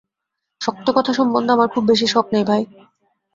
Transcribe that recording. শক্ত কথা সম্বন্ধে আমার খুব বেশি শখ নেই ভাই!